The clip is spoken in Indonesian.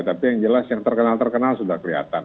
tapi yang jelas yang terkenal terkenal sudah kelihatan